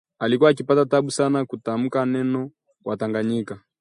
alikuwa akipata taabu sana kutamka neno Watanganyika